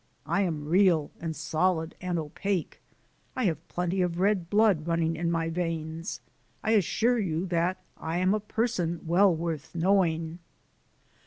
I am real and solid and opaque; I have plenty of red blood running in my veins. I assure you that I am a person well worth knowing."